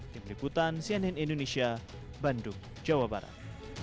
di berikutan cnn indonesia bandung jawa barat